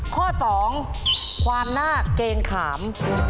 ข้อ๒ความน่าเกงขาม